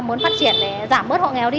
muốn phát triển để giảm bớt hộ nghèo đi